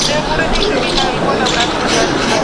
ما یې دنګه ونه په خوبونو کي لیدلې وه